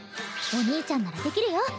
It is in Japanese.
お兄ちゃんならできるよ！